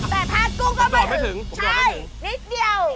แต่พระพรากุ้งก็ไม่ถึงใช่นิดเดียว